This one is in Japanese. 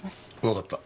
わかった。